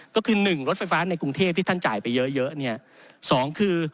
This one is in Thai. ก็คือ๑รถไฟฟ้าในกรุงเทพที่ท่านจ่ายไปเยอะ